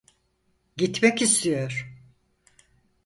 Gitmek istiyor.